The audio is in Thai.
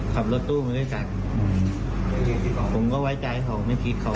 คือมันคิดตอนนั้นเลยมันก็ออกไปทำด้วยนะครับ